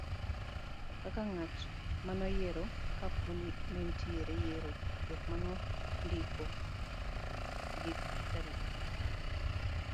kaka ngat manoyiero ka po ni nenitie yiero, jok manondike gi tarik